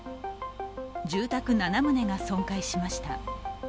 住宅７棟が損壊しました。